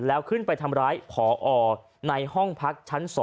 แล้วขึ้นไปทำร้ายผอในห้องพักชั้น๒